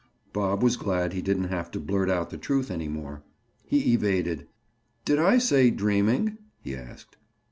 Bob was glad he didn't have to blurt out the truth any more. He evaded. "Did I say dreaming?" he asked.